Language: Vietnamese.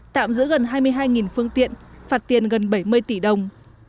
tạm giữ gần hai mươi hai phương tiện phạt tiền gần bảy mươi tỷ đồng